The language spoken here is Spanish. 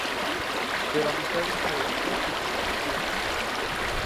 Pero a mitad de trayecto, desaparecieron.